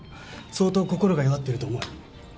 相当心が弱ってると思う。